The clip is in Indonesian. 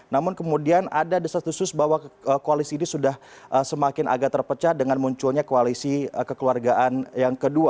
namun kemudian ada desas desus bahwa koalisi ini sudah semakin agak terpecah dengan munculnya koalisi kekeluargaan yang kedua